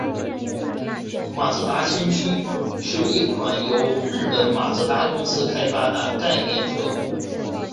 马自达先驱是一款由日本马自达公司开发的概念车。